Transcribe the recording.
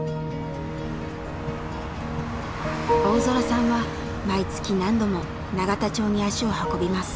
大空さんは毎月何度も永田町に足を運びます。